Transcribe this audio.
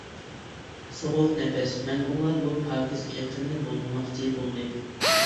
سوغۇق نەپەس مەلئۇنلار بۇ پاكىز ئېقىننى بۇلغىماقچى بولدى.